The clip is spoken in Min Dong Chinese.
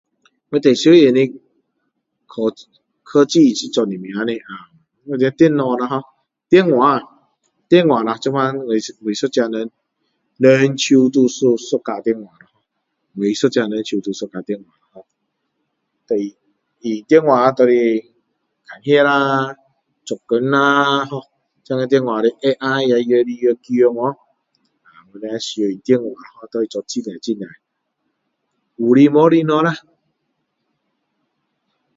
我最需要的科科技是做什么呢 [ahh]？反正是电脑啦[har] 电话，电话现在，每一个人，人手都有一架电话，每一个人手都有一架电话[har] 对用电话拿来看戏啦！做工啦[har] 现在电话的AI , 越来越强哦，可以上电话可以做很多，很多，有的无的东西啦！